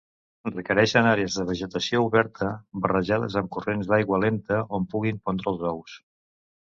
Requereixen àrees de vegetació oberta, barrejades amb corrents d'aigua lenta on puguin pondre els ous.